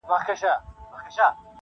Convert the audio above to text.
ښار له مځکي سره سم دی هدیره ده -